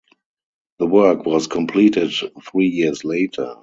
The work was completed three years later.